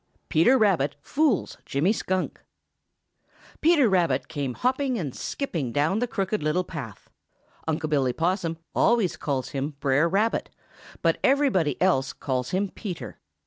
PETER RABBIT FOOLS JIMMY SKUNK |PETER RABBIT came hopping and skipping down the Crooked Little Path. Unc' Billy Possum always calls him Brer Rabbit, but everybody else calls him Peter.